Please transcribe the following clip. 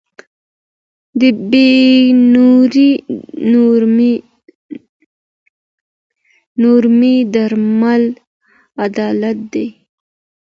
د بې نورمۍ درملنه عدالت دی.